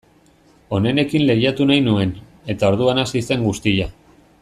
Onenekin lehiatu nahi nuen, eta orduan hasi zen guztia.